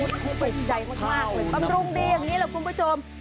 พรุงเข้ามันมากเลยปรับพรุงดีอย่างนี้เหรอคุณผู้ชม